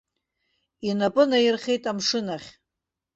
Инапы наирхеит амшын ахь.